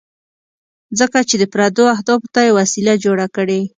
ځکه چې د پردو اهدافو ته یې وسیله جوړه کړې.